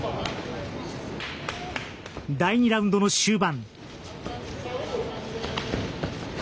第２ラウンドの終盤。